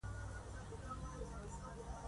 کله چي چنګېز مړ شو نو